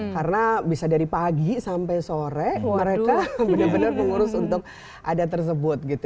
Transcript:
karena bisa dari pagi sampai sore mereka benar benar mengurus untuk ada tersebut